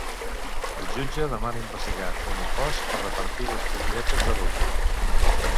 El jutge demana investigar Unipost per repartir les butlletes de vot.